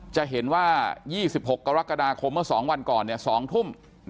จะเห็นว่า๒๖กรกฎาคมเมื่อ๒วันก่อน๒ทุ่ม